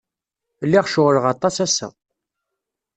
Lliɣ ceɣleɣ aṭas ass-a.